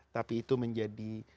tapi itu menjadi